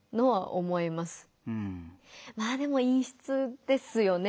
まぁでも陰湿ですよね。